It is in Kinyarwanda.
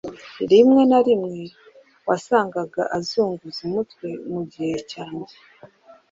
Rimwe na rimwe wasangaga uzunguza umutwe mu gihe cyanjye.